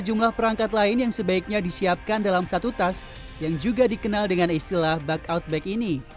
sejumlah perangkat lain yang sebaiknya disiapkan dalam satu tas yang juga dikenal dengan istilah backout bag ini